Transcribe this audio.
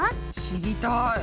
知りたい。